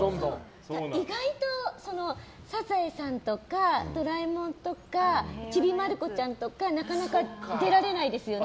意外と「サザエさん」とか「ドラえもん」とか「ちびまる子ちゃん」とかなかなか出られないですよね。